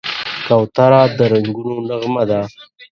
کوتره د رنګونو نغمه ده.